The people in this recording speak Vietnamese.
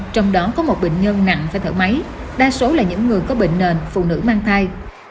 trong đó có một bệnh nhân nặng và thở máy đa số là những người có bệnh nền phụ nữ mang thai